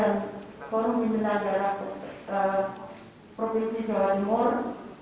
gubernur dan korum inder negara provinsi jawa timur